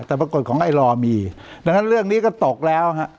แต่ปรากฏของไอลอมีดังนั้นเรื่องนี้ก็ตกแล้วฮะ